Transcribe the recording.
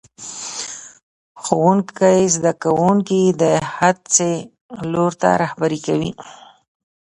ښوونکی زده کوونکي د هڅې لور ته رهبري کوي